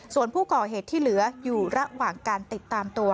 ส่วนผู้ก่อเหตุที่เหลืออยู่ระหว่างการติดตามตัว